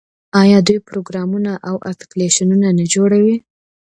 آیا دوی پروګرامونه او اپلیکیشنونه نه جوړوي؟